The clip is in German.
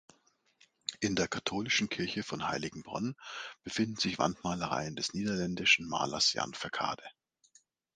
In der katholischen Kirche von Heiligenbronn befinden sich Wandmalereien des niederländischen Malers Jan Verkade.